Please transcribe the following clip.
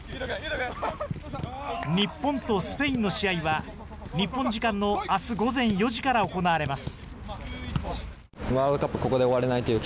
日本とスペインの試合は、日本時間のあす午前４時から行われます。